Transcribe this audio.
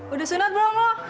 udah sunat belum lo